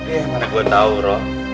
eh mana gue tahu roh